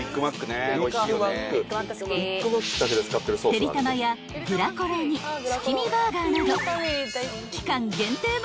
［てりたまやグラコロに月見バーガーなど］